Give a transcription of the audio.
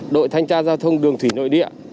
đội thanh tra giao thông đường thủy nội địa